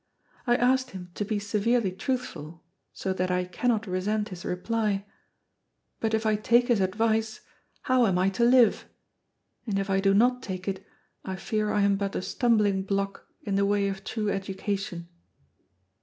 "I asked him to be severely truthful, so that I cannot resent his reply. But if I take his advice, how am I to live? And if I do not take it, I fear I am but a stumbling block in the way of true education."